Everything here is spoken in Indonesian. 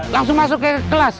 langsung masuk ke kelas